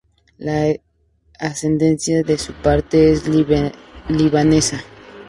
La ascendencia de su padre es libanesa.